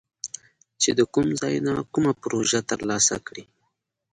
چې د کوم ځای نه کومه پروژه تر لاسه کړي